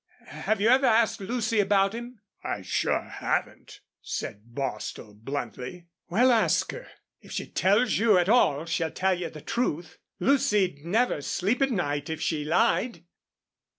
Have you ever asked Lucy about him?" "I sure haven't," said Bostil, bluntly. "Well, ask her. If she tells you at all she'll tell the truth. Lucy'd never sleep at night if she lied."